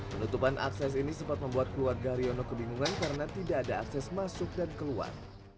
penutupan akses ini sempat membuat keluarga haryono kebingungan karena tidak ada akses masuk dan keluar